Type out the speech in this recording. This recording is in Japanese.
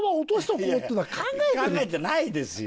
考えてないですよ！